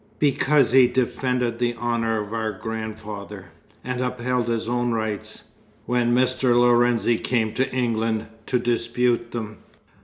"Because he defended the honour of our grandfather, and upheld his own rights, when Mr. Lorenzi came to England to dispute them?"